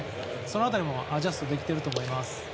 その辺りもアジャストできていると思います。